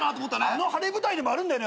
あの晴れ舞台でもあるんだよね。